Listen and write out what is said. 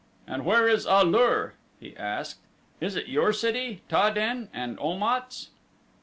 "And where is A lur?" he asked. "Is it your city, Ta den, and Om at's?"